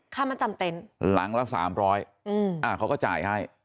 มาจำเต็นต์หลังละ๓๐๐เขาก็จ่ายให้